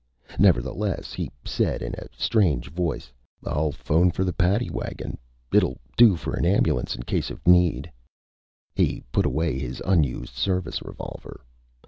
Nevertheless, he said in a strange voice: "I'll phone for the paddy wagon. It'll do for a ambulance, in case of need." He put away his unused service revolver.